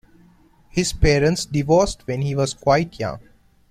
His parents divorced when he was quite young.